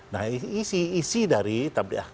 nah isi isi dari tabligh akbar